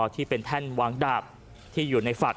ที่เป็นแท่นวางดาบที่อยู่ในฝัก